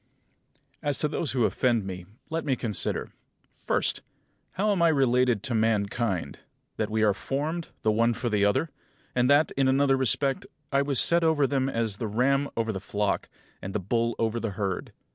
18. As to those who offend me, let me consider: First, how I am related to mankind; that we are formed, the one for the other; and that, in another respect, I was set over them as the ram over the flock, and the bull over the herd.